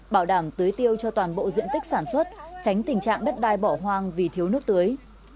bảo đảm tưới tiêu cho toàn bộ diện tích sản xuất tránh tình trạng đất đai bỏ hoang vì thiếu nước tưới